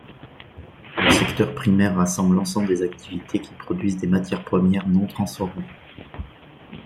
Le secteur primaire rassemble l'ensemble des activités qui produisent des matières premières non transformées.